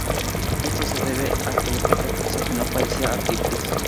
Esto se debe a que el esqueleto que examinó padecía artritis.